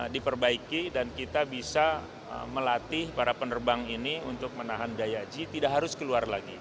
diperbaiki dan kita bisa melatih para penerbang ini untuk menahan daya g tidak harus keluar lagi